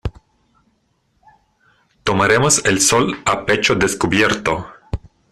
tomaremos el sol a pecho descubierto.